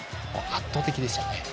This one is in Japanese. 圧倒的ですよね。